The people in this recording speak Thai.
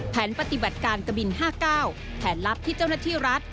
แผนปฏิบัติการกบิน๕๙แผนลับที่เจ้าหน้าที่รัฐ